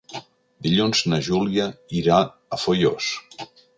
Dilluns na Júlia irà a Foios.